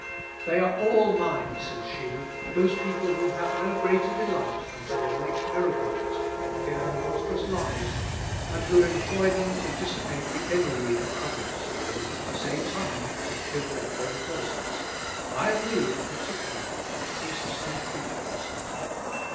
"They are all mine," says she, "those people who have no greater delight than to relate miracles, or hear monstrous lies, and who employ them to dissipate the ennui of others, and, at the same time, to fill their own purses, (I allude, particularly, to priests and preachers.)